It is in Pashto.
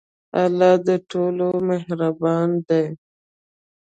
الله د ټولو مهربان دی.